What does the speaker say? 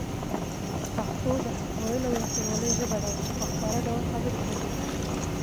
پښتو د حق ویلو او رښتینولۍ ژبه ده چي په ښکاره ډول خبرې کوي.